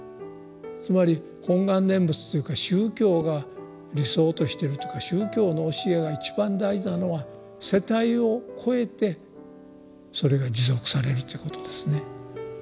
つまり「本願念仏」というか宗教が理想としているというか宗教の教えが一番大事なのは世代を超えてそれが持続されるということですね。